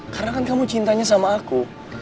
karena kan kamu cintanya sama aku